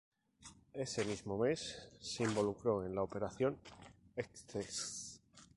Ese mismo mes, se involucró en la operación Excess.